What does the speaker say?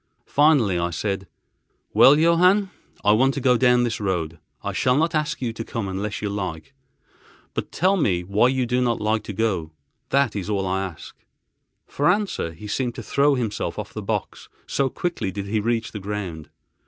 Finally I said: "Well, Johann, I want to go down this road. I shall not ask you to come unless you like; but tell me why you do not like to go, that is all I ask." For answer he seemed to throw himself off the box, so quickly did he reach the ground.